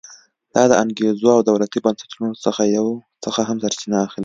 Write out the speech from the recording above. دا د انګېزو او دولتي بنسټونو څخه هم سرچینه اخلي.